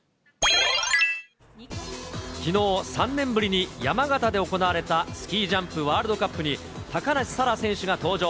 きのう、３年ぶりに山形で行われたスキージャンプワールドカップに、高梨沙羅選手が登場。